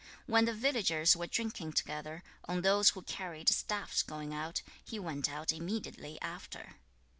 When the villagers were drinking together, on those who carried staffs going out, he went out immediately after.